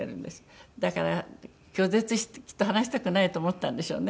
だから拒絶きっと話したくないと思ったんでしょうね。